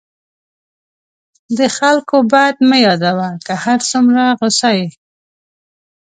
د خلکو بد مه یادوه، که هر څومره غصه یې.